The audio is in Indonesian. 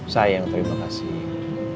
sayang terima kasih